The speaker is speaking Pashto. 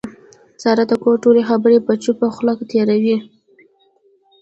ساره د کور ټولې خبرې په چوپه خوله تېروي.